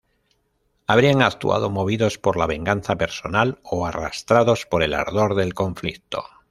Habrían actuado movidos por la venganza personal o arrastrados por el ardor del conflicto.